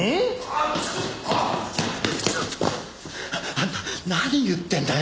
あんた何言ってんだよ？